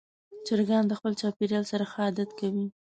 چرګان د خپل چاپېریال سره ښه عادت کوي.